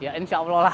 ya insya allah lah